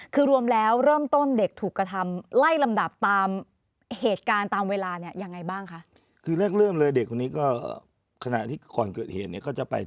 คือรวมแล้วเริ่มต้นเด็กถูกกระทำไล่ลำดับตามเหตุการณ์ตามเวลาเนี่ยยังไงบ้างคะ